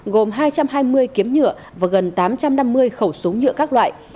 gồm hai trăm hai mươi kiếm nhựa và gần tám trăm năm mươi khẩu súng nhựa các loại